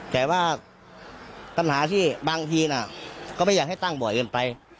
แต่ว่าปัญหาที่บางทีก็ไม่อยากให้ตั้งบ่อยเกินไป